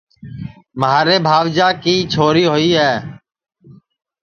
مھارے بھاوجا کی چھوڑی ہوئی ہے